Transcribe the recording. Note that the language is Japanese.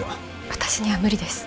私には無理です